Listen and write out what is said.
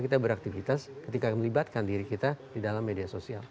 kita harus berhimpun campur baur di dalam media sosial